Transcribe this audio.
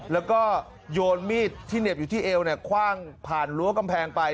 แล้วก็โยนมีดที่เหน็บอยู่ที่เอวคว่างผ่านรั้วกำแพงไป